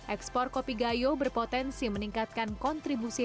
ekspor kopi gayo berpotensi meningkatkan kontribusi